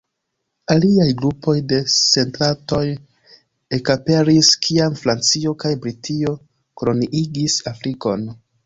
Aliaj grupoj de setlantoj ekaperis kiam Francio kaj Britio koloniigis Afrikon.